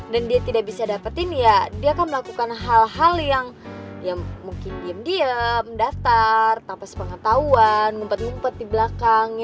dan dia tidak bisa dapetin ya dia akan melakukan hal hal yang mungkin diem diem mendaftar tapas pengetahuan ngumpet ngumpet di belakang